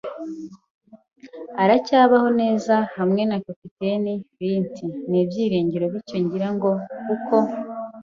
aracyabaho neza hamwe na Kapiteni Flint. Ni ibyiringiro bityo, ngira ngo, kuko